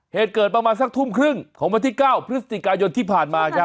เหตุเกิดประมาณสักทุ่มครึ่งของวันที่๙พฤศจิกายนที่ผ่านมาครับ